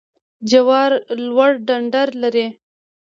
جوار لوړ ډنډر لري